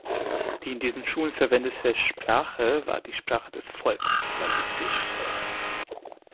Die in diesen Schulen verwendete Sprache war die Sprache des Volks, walisisch.